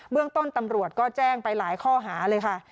เรื่องต้นตำรวจก็แจ้งไปหลายข้อหาเลยค่ะ